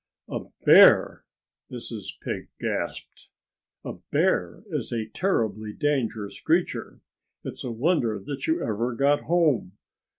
"A bear!" Mrs. Pig gasped. "A bear is a terribly dangerous creature. It's a wonder that you ever got home....